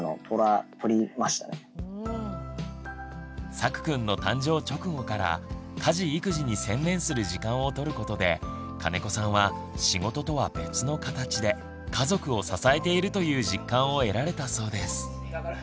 さくくんの誕生直後から家事育児に専念する時間を取ることで金子さんは仕事とは別の形で家族を支えているという実感を得られたそうです。